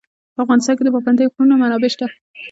په افغانستان کې د پابندی غرونه منابع شته.